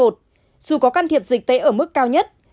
dù có can thiệp dịch tế ở mức cao nhất